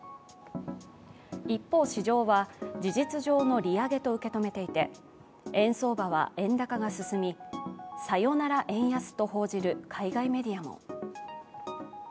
一方、市場は事実上の利上げと受け止めていて円相場は円高が進み、「さよなら円安」と報じる海外メディアも。